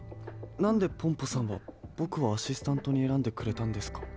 なんでポンポさんはぼくをアシスタントにえらんでくれたんですか？